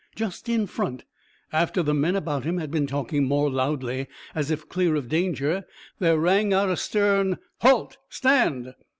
Just in front, after the men about him had been talking more loudly, as if clear of danger, there rang out a stern "Halt stand!"